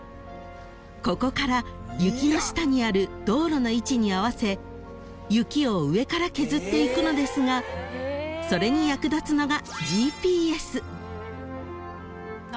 ［ここから雪の下にある道路の位置に合わせ雪を上から削っていくのですがそれに役立つのが］